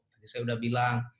saya sudah bilang